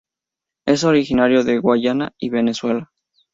Es originario de Guyana y Venezuela.